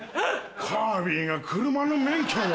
カービィが車の免許を？